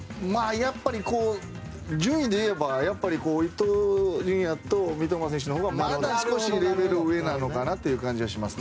やっぱり順位でいえば伊東純也選手と三笘選手のほうがまだレベルが上なのかなという感じです。